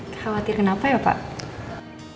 khawatir kenapa ya pak